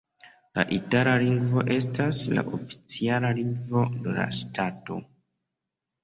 La itala lingvo estas la oficiala lingvo de la ŝtato.